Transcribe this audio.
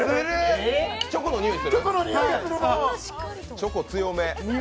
チョコ強め。